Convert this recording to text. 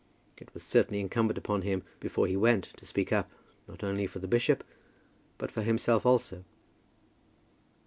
It was certainly incumbent upon him, before he went, to speak up, not only for the bishop, but for himself also.